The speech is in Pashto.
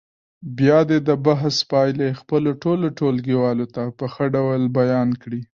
بیا دې د بحث پایلې خپلو ټولو ټولګیوالو ته په ښه ډول بیان کړي.